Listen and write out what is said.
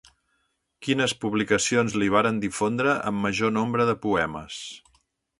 Quines publicacions li varen difondre amb major nombre de poemes.